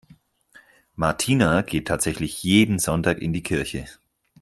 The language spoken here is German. Martina geht tatsächlich jeden Sonntag in die Kirche.